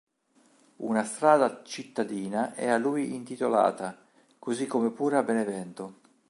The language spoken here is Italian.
Una strada cittadina è a lui intitolata, così come pure a Benevento.